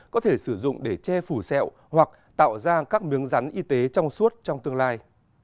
có thể sử dụng để che phủ xẹo hoặc tạo ra các miếng rắn y tế trong suốt trong tương lai